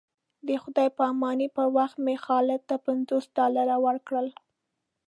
د خدای په امانۍ پر وخت مې خالد ته پنځوس ډالره ورکړل.